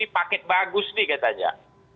paket bagus nih katanya